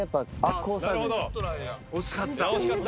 惜しかった。